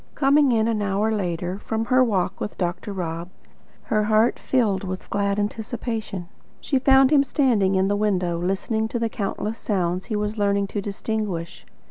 Coming in, an hour later, from her walk with Dr. Rob, her heart filled with glad anticipation, she found him standing in the window, listening to the countless sounds he was learning to distinguish.